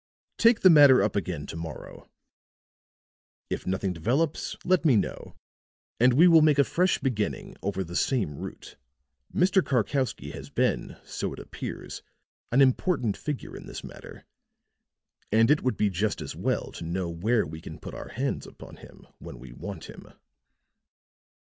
"Take the matter up again to morrow; if nothing develops let me know, and we will make a fresh beginning over the same route. Mr. Karkowsky has been, so it appears, an important figure in this matter, and it would be just as well to know where we can put our hands upon him when we want him."